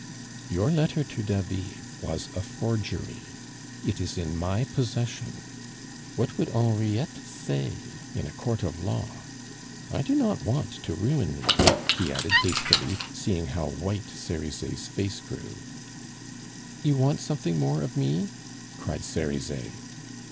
"Your letter to David was a forgery. It is in my possession. What would Henriette say in a court of law? I do not want to ruin you," he added hastily, seeing how white Cerizet's face grew. "You want something more of me?" cried Cerizet.